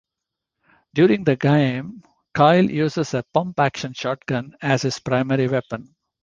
During the game, Kyle uses a pump action shotgun as his primary weapon.